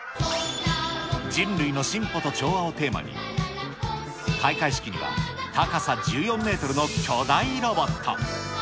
人類の進歩と調和をテーマに、開会式には高さ１４メートルの巨大ロボット。